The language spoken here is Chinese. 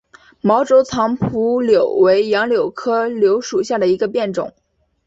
毛轴藏匐柳为杨柳科柳属下的一个变种。